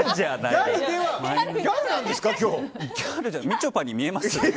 みちょぱに見えます？